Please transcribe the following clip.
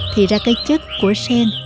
thì ra cây chất của sen